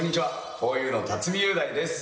ふぉゆの辰巳雄大です。